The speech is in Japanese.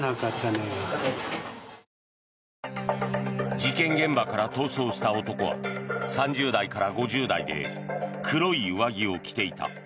事件現場から逃走した男は３０代から５０代で黒い上着を着ていた。